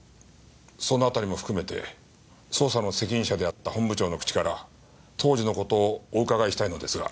その辺りも含めて捜査の責任者であった本部長の口から当時の事をお伺いしたいのですが。